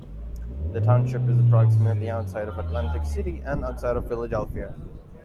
The Township is approximately outside of Atlantic City and outside of Philadelphia.